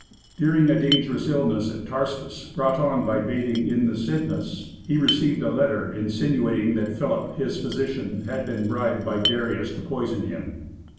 During a dangerous illness at Tarsus, brought on by bathing in the Cydnus, he received a letter insinuating that Philip, his physician, had been bribed by Darius to poison him.